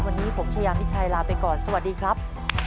วันนี้ผมชายามิชัยลาไปก่อนสวัสดีครับ